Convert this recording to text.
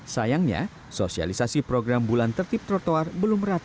sayangnya sosialisasi program bulan tertib trotoar ini tidak bisa diperhatikan